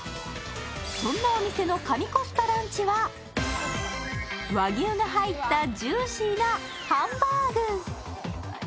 そんなお店の神コスパランチは和牛が入ったジューシーなハンバーグ。